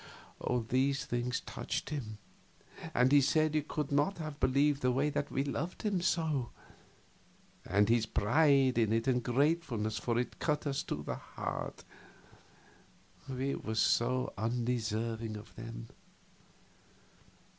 These things touched him, and he said he could not have believed that we loved him so; and his pride in it and gratefulness for it cut us to the heart, we were so undeserving of them.